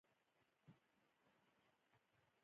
ډيپلومات د هېواد د نوم استازیتوب کوي.